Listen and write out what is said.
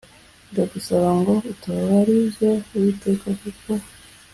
ndagusaba ngo utubarize uwiteka kuko